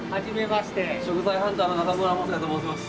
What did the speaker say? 食材ハンターの中村昌也と申します。